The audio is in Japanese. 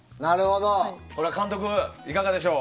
これは監督、いかがでしょう。